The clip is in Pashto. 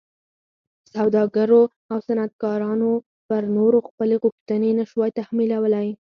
سوداګرو او صنعتکارانو پر نورو خپلې غوښتنې نه شوای تحمیلولی.